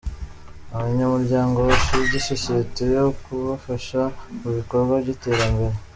Abanyamuryango bashinze Sosiyete yo kubafasha mu bikorwa by’iterambere